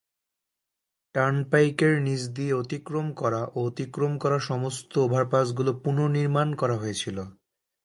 টার্নপাইকের নিচ দিয়ে অতিক্রম করা ও অতিক্রম করা সমস্ত ওভারপাসগুলো পুনর্নিমাণ করা হয়েছিল।